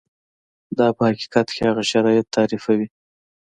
دا په حقیقت کې هغه شرایط تعریفوي.